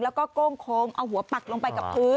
แล้วก็โก้งโค้งเอาหัวปักลงไปกับพื้น